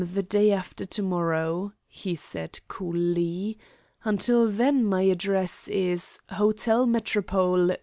the day after to morrow," he said coolly. "Until then my address is 'Hotel Metropole, Brighton.'"